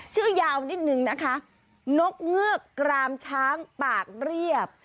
ชื่อยาวนิดนึงนะคะนกเงือกกรามช้างปากเรียบ